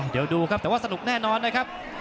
เดี๋ยวดูครับแต่ว่าสนุกแน่นอนนะครับ